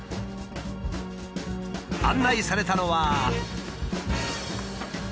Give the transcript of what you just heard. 案内されたのは。